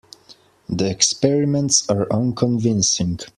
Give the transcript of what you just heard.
The experiments are unconvincing.